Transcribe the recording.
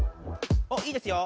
おっいいですよ！